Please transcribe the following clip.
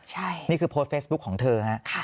ใช่นี่คือโพสต์เฟซบุ๊คของเธอฮะ